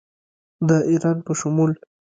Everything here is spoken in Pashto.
د ایران په شمول